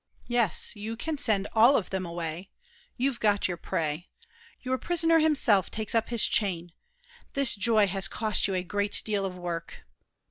Yes, you can Send all of them away. You've got your prey. Your prisoner himself takes up his chain. This joy has cost you a great deal of work.